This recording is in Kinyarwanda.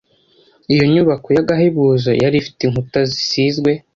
Iyo nyubaho y’agahebuzo, yari ifite inkuta zisizwe